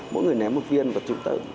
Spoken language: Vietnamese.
mỗi người ném một viên và chúng ta